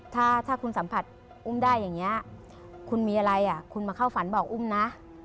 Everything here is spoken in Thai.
ถ้าคุณสัมผัสอุ้มได้อย่างนี้คุณมีอะไรคุณมาเข้าฝันบอกอุ้มนะ